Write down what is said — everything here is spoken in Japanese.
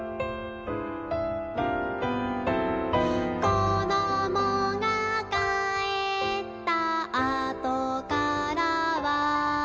「こどもがかえったあとからは」